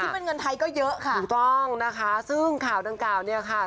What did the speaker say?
เป็นเงินไทยก็เยอะค่ะถูกต้องนะคะซึ่งข่าวดังกล่าวเนี่ยค่ะ